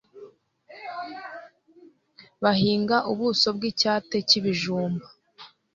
bahinga Ubuso bw icyate k ibijumba